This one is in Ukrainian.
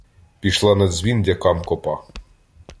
Пішла на дзвін дякам копа.